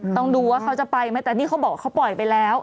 ต้องดูว่าเขาจะไปไหมแต่นี่เขาบอกเขาปล่อยไปแล้ว